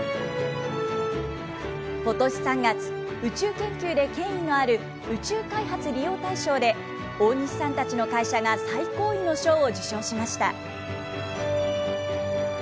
ことし３月、宇宙研究で権威のある宇宙開発利用大賞で大西さんたちの会社が最高位の賞を受賞しました。